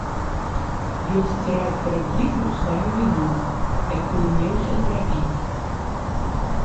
Ён сціраў перад ліпаю сваю віну, якую меўся зрабіць.